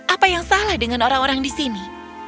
apa yang salah dengan orang orang di sini